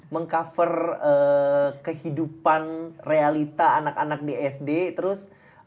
meng cover kehidupan realita anak anak di sd terus